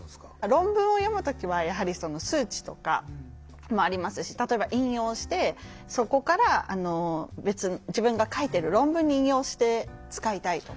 論文を読む時はやはり数値とかもありますし例えば引用してそこから別の自分が書いてる論文に引用して使いたいとか。